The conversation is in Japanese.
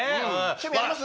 趣味あります？